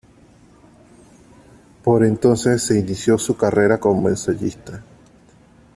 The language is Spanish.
Por entonces se inició su carrera como ensayista.